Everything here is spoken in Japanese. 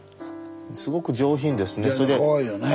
すごく上品ですね。